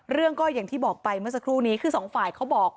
เรื่องก็อย่างที่บอกไปเมื่อสักครู่นี้คือสองฝ่ายเขาบอก